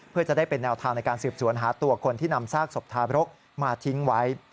เพื่อจะได้เป็นแนวทางในการสืบสวนหาตัวคนที่นำซากศพทาบรกมาทิ้งไว้